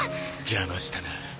邪魔したな。